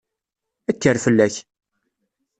Kker fall-ak!